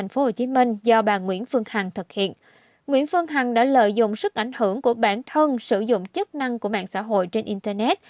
nguyễn phương hằng đã lợi dụng sức ảnh hưởng của bản thân sử dụng chức năng của mạng xã hội trên internet